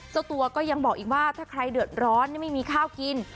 เจ้าตัวก็ยังบอกอีกว่าถ้าใครเดือดร้อนไม่มีข้าวกิน